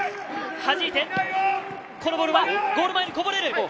はじいて、このボールはゴール前にこぼれる。